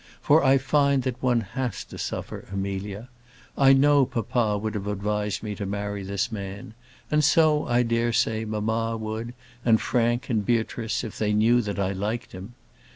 For I find that one has to suffer, Amelia. I know papa would have advised me to marry this man; and so, I dare say, mamma would, and Frank, and Beatrice, if they knew that I liked him.